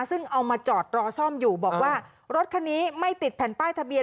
ซึ่งเอามาจอดรอซ่อมอยู่บอกว่ารถคันนี้ไม่ติดแผ่นป้ายทะเบีย